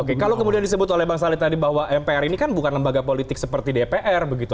oke kalau kemudian disebut oleh bang saleh tadi bahwa mpr ini kan bukan lembaga politik seperti dpr begitu